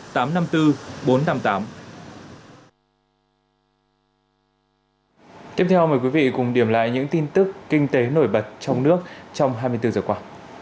tiếp theo mời quý vị cùng điểm lại những tin tức kinh tế nổi bật trong nước trong hai mươi bốn giờ qua